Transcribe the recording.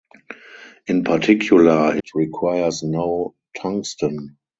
In particular it requires no tungsten.